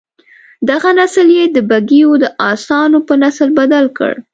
دغه نسل یې د بګیو د اسانو په نسل بدل کړ.